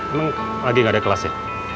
emang lagi gak ada kelas ya